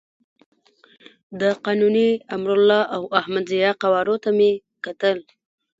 د قانوني، امرالله او احمد ضیاء قوارو ته مې کتل.